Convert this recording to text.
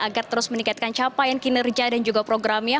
agar terus meningkatkan capaian kinerja dan juga programnya